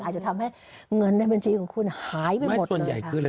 อาจจะทำให้เงินในบัญชีของคุณหายไปหมด